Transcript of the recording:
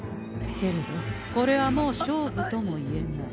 けれどこれはもう勝負とも言えない。